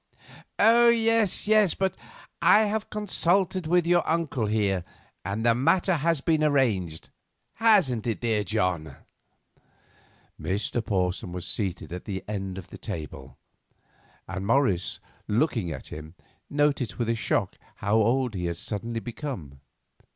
"Yes, yes; but I have consulted with your uncle here, and the matter has been arranged. Hasn't it, John?" Mr. Porson was seated at the end of the table, and Morris, looking at him, noticed with a shock how old he had suddenly become.